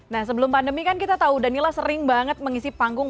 nah sebelum pandemi kan kita tahu danila sering banget mengisi panggung